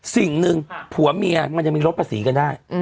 สิ่งหนึ่งผัวเมียมันยังมีลดภาษีกันได้